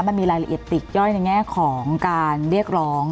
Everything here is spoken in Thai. มันมีรายละเอียดติดย่อยในแง่ของการเรียกร้อง